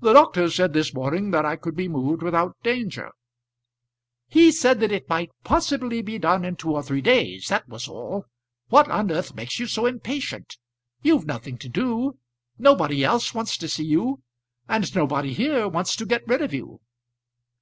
"The doctor said this morning that I could be moved without danger." "He said that it might possibly be done in two or three days that was all. What on earth makes you so impatient? You've nothing to do. Nobody else wants to see you; and nobody here wants to get rid of you."